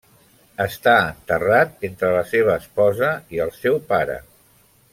Està enterrat entre la seva esposa i el seu pare.